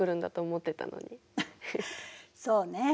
そうね。